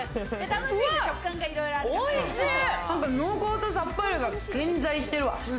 濃厚とさっぱりが混在してるわ。